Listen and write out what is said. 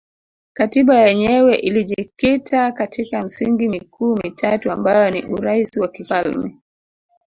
Katiba yenyewe ilijikita katika misingi mikuu mitatu ambayo ni Urais wa kifalme